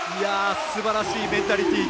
すばらしいメンタリティー。